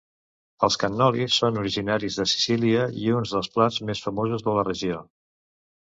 Els cannoli són originaris de Sicília i uns dels plats més famosos de la regió.